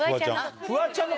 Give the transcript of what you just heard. フワちゃんの。